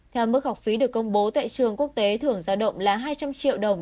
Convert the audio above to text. theo mức học phí được công bố tại trường quốc tế thưởng giao động là hai trăm linh triệu đồng